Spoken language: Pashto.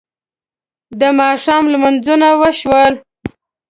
د ماښام لمونځونه وشول.